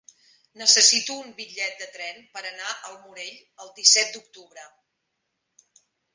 Necessito un bitllet de tren per anar al Morell el disset d'octubre.